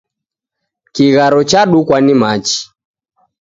Kigharo chadukwa ni machi